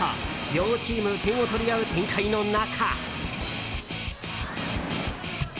両チーム点を取り合う展開の中。